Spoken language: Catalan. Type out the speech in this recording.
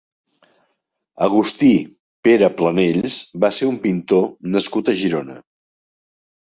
Agustí Pera Planells va ser un pintor nascut a Girona.